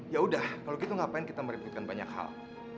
ya udah kalau gitu ngapain kita merebutkan banyak hal